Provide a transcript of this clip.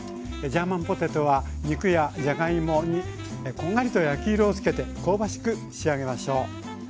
ジャーマンポテトは肉やじゃがいもにこんがりと焼き色をつけて香ばしく仕上げましょう。